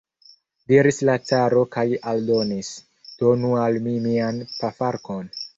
diris la caro kaj aldonis: donu al mi mian pafarkon.